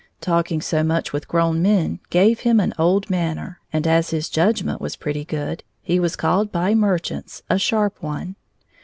Talking so much with grown men gave him an old manner, and as his judgment was pretty good he was called by merchants a "sharp one."